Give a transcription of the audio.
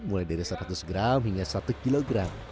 mulai dari seratus gram hingga satu kilogram